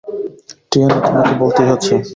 Tiana, তোমাকে বলতেই হচ্ছে।